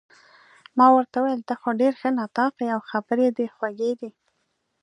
ما ورته وویل: ته خو ډېر ښه نطاق يې، او خبرې دې خوږې دي.